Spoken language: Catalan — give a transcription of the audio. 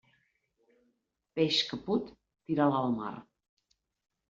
Peix que put, tira'l al mar.